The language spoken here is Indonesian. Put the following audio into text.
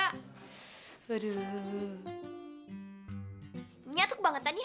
jalat banget anakmu berangkat sekolah juga